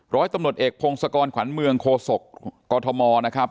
ร้อยตำรวจเอกพงศกรขวัญเมืองโคศกกทมนะครับ